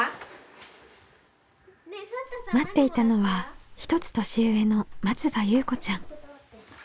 待っていたのは１つ年上の松場ゆうこちゃん。